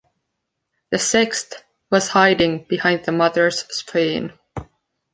The sixth was hiding behind the mother's spleen.